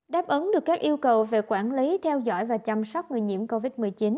đáp ứng được các yêu cầu về quản lý theo dõi và chăm sóc người nhiễm covid một mươi chín